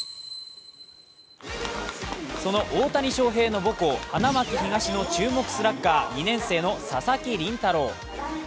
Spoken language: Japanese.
その大谷翔平の母校、花巻東高校の注目スラッガー、２年生の佐々木麟太郎。